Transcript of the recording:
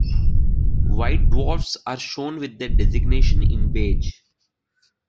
White dwarfs are shown with their designation in beige.